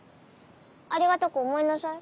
ありがたく思いなさい。